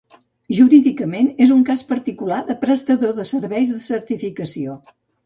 Jurídicament és un cas particular de prestador de serveis de certificació.